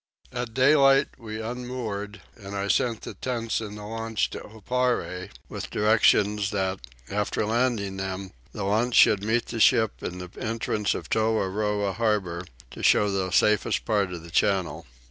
At daylight we unmoored and I sent the tents in the launch to Oparre with directions that, after landing them, the launch should meet the ship in the entrance of Toahroah harbour to show the safest part of the channel.